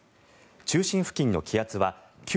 中心付近の気圧は９３５